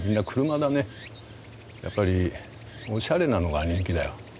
やっぱりおしゃれなのが人気だよ。